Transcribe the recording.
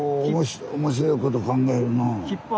面白いこと考えるな。